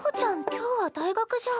今日は大学じゃ。